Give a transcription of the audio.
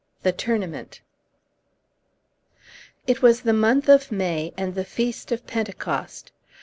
THE TOURNAMENT It was the month of May, and the feast of Pentecost.